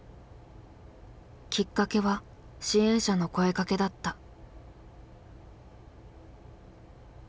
きっかけは支援者の声かけだった。